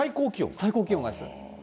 最高気温がです。